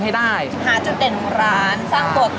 มีความสุขแล้ว